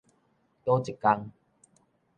佗一工